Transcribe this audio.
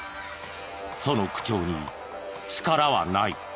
その口調に力はない。